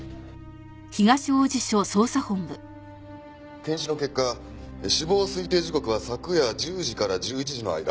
検視の結果死亡推定時刻は昨夜１０時から１１時の間。